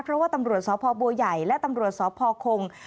เพราะว่าตำรวจสพบัวใหญ่และตำรวจสพคง